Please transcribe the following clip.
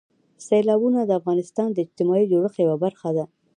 سیلابونه د افغانستان د اجتماعي جوړښت یوه برخه ده.